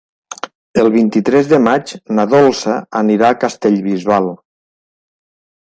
El vint-i-tres de maig na Dolça anirà a Castellbisbal.